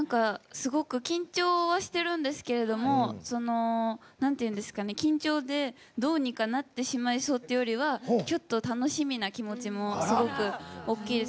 すごく緊張はしてるんですけれども緊張でどうにかなってしまいそうっていうよりは楽しみな気持ちも大きいです。